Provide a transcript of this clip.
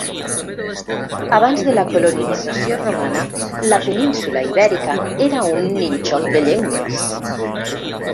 Abans de la colonització romana, la península Ibèrica era un nínxol de llengües.